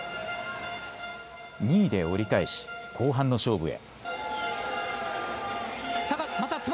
２位で折り返し後半の勝負へ。